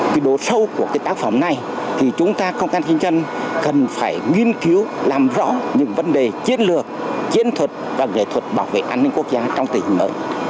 vì đủ sâu của tác phẩm này thì chúng ta công an nhân dân cần phải nghiên cứu làm rõ những vấn đề chiến lược chiến thuật và nghệ thuật bảo vệ an ninh quốc gia trong tình hình mới